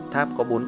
tháp có bốn tầng